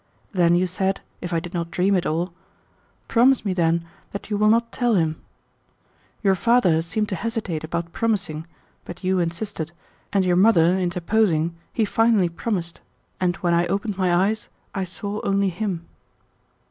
Then you said, if I did not dream it all, "Promise me, then, that you will not tell him." Your father seemed to hesitate about promising, but you insisted, and your mother interposing, he finally promised, and when I opened my eyes I saw only him."